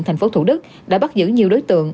thành phố thủ đức đã bắt giữ nhiều đối tượng